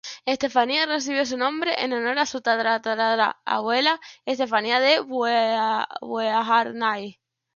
Estefanía recibió su nombre en honor a su tatara-tatara-abuela Estefanía de Beauharnais.